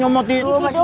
duh masih perut aja